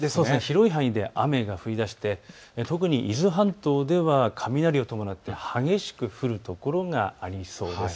広い範囲で雨が降りだして特に伊豆半島では雷を伴って激しく降る所がありそうです。